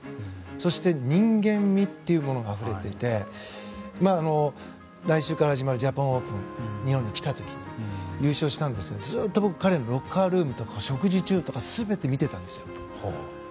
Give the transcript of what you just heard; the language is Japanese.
そして人間味というものがあふれていて来週から始まるジャパンオープンで日本に来た時、優勝したんですがずっと僕は彼のロッカールームとか食事中とか全て見てたんですよ。